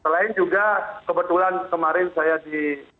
selain juga kebetulan kemarin saya di